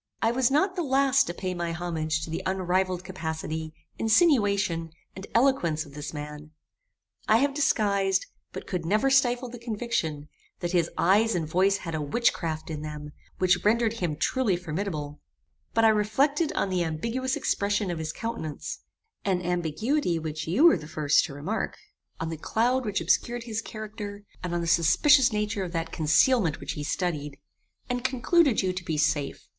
I was not the last to pay my homage to the unrivalled capacity, insinuation, and eloquence of this man. I have disguised, but could never stifle the conviction, that his eyes and voice had a witchcraft in them, which rendered him truly formidable: but I reflected on the ambiguous expression of his countenance an ambiguity which you were the first to remark; on the cloud which obscured his character; and on the suspicious nature of that concealment which he studied; and concluded you to be safe.